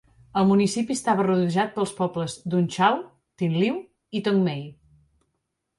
El municipi estava rodejat pels pobles d"Un Chau, Tin Liu i Tong Mei.